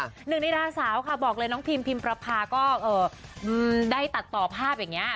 หนึ่งในดาราสาวค่ะบอกเลยน้องพิมพิมประพาก็ได้ตัดต่อภาพอย่างนี้